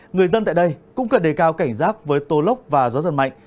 người dân tại đây cũng cần đề cao cảnh giác với tố lốc và gió dần mạnh